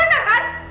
eh bener kan